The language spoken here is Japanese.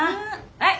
はい！